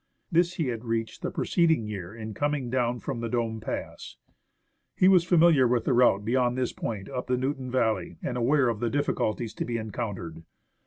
This he had reached the preceding year in coming down from the Dome Pass. 59 THE ASCENT OF MOUNT ST. ELIAS He was familiar with the route beyond this point up the Newton Valley, and aware of the difficulties to be encountered.